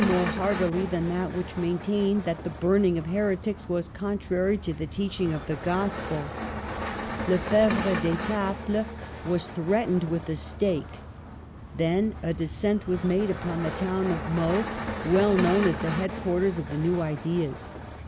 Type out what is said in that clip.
59 more heartily than that which maintained that the burning of heretics was contrary to the teaching of the gospel. Lefebvre d'Etaples was threatened with the stake. Then a descent was made upon the town of Meaux, well known as the headquarters of the new ideas.